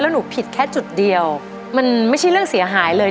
หนูผิดแค่จุดเดียวมันไม่ใช่เรื่องเสียหายเลย